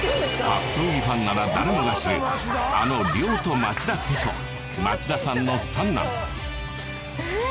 格闘技ファンなら誰もが知るあのリョートマチダこそ町田さんの三男えっ？